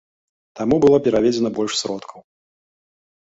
Таму было пераведзена больш сродкаў.